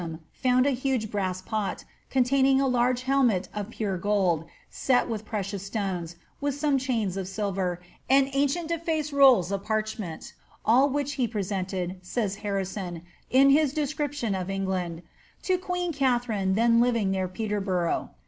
A poor man ploughing near Grant bun found a huge brass pot, containing a large helmet of pure gold, set with precious stones, with some chains of silver, and ancient defaced toils of parchment, all which he presented, says Harrison, in his descrip tion of England,' to ^ queen Katharine, then living near Peterborough."